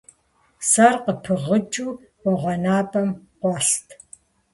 Псэр къыпыгъыкӀыу къуэгъэнапӀэм къуэст.